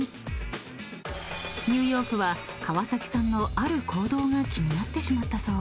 ［ニューヨークは川崎さんのある行動が気になってしまったそう］